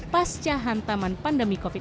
pasca hantaman pandemi covid sembilan belas